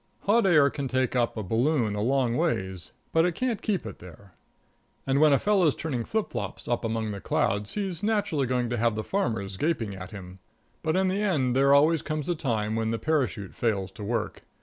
Hot air can take up a balloon a long ways, but it can't keep it there. And when a fellow's turning flip flops up among the clouds, he's naturally going to have the farmers gaping at him. But in the end there always comes a time when the parachute fails to work.